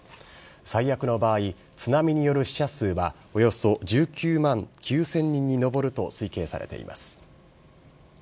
最悪の場合、津波による死者数はおよそ１９万９０００人に上ると推計されています。